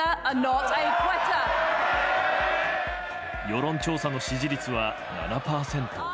世論調査の支持率は７％。